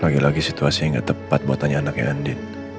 lagi lagi situasi yang gak tepat buat tanya anaknya andin